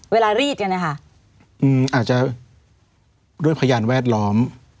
เวลารีดกันอาจจะด้วยพยาบาลแวดล้อม